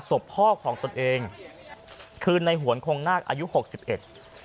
ศพพ่อของตนเองคือในหวนคงนาคอายุหกสิบเอ็ด